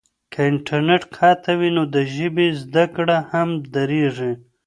که انټرنیټ قطع وي نو د ژبې زده کړه هم درېږي.